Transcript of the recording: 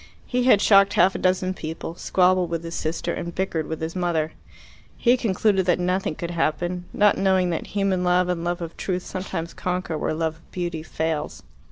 He had shocked half a dozen people, squabbled with his sister, and bickered with his mother. He concluded that nothing could happen, not knowing that human love and love of truth sometimes conquer where love of beauty fails.